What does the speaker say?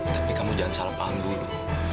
tapi kamu jangan salah panggung dulu